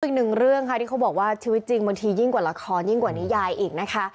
อีกหนึ่งเรื่องค่ะที่เขาบอกว่าชีวิตจริงบางทียิ่งกว่าละครยิ่งกว่านิยายอีกนะคะ